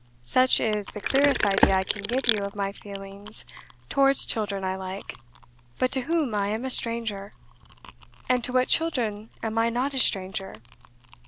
Such is the clearest idea I can give you of my feeling towards children I like, but to whom I am a stranger; and to what children am I not a stranger?